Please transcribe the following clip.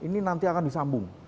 ini nanti akan disambung